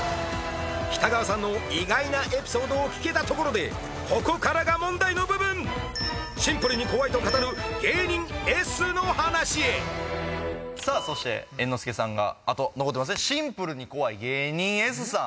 北川さんの意外なエピソードを聞けたところでここからが問題の部分シンプルに怖いと語る芸人Ｓの話そして猿之助さんがあと残ってますねシンプルに怖い芸人Ｓさん